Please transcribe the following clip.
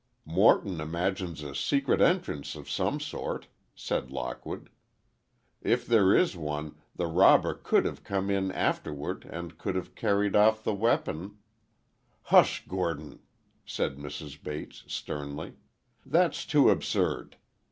"Morton imagines a secret entrance of some sort," said Lockwood. "If there is one, the robber could have come in afterward, and could have carried off the weapon—" "Hush, Gordon," said Mrs. Bates, sternly. "That's too absurd!